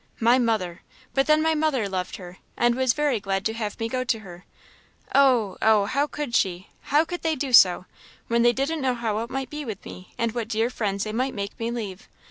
My mother! But then my mother loved her, and was very glad to have me go to her. Oh! oh! how could she! how could they do so! when they didn't know how it might be with me, and what dear friends they might make me leave!